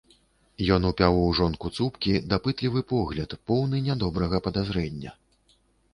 Ён упяў у жонку цупкі, дапытлівы погляд, поўны нядобрага падазрэння.